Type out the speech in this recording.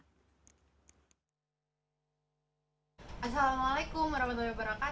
assalamualaikum wr wb